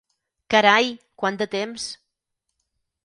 Carai, quant de temps!